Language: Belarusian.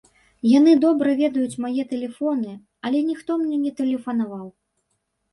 Яны добра ведаюць мае тэлефоны, але ніхто мне не тэлефанаваў.